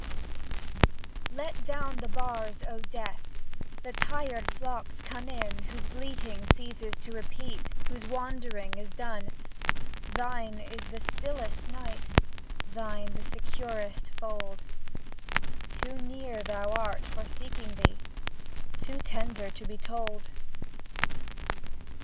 Let down the bars, O Death! The tired flocks come in Whose bleating ceases to repeat, Whose wandering is done. Thine is the stillest night, Thine the securest fold; Too near thou art for seeking thee, Too tender to be told.